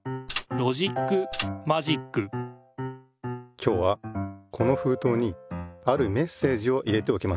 今日はこのふうとうにあるメッセージを入れておきました。